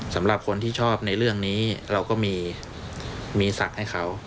สำหรับคนที่ชอบในเรื่องนี้เราก็มีศักดิ์ให้เขา